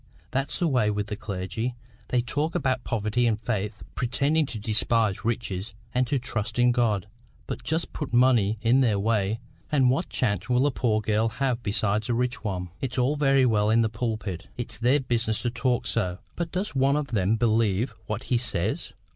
That's the way with the clergy! They talk about poverty and faith, pretending to despise riches and to trust in God; but just put money in their way, and what chance will a poor girl have beside a rich one! It's all very well in the pulpit. It's their business to talk so. But does one of them believe what he says?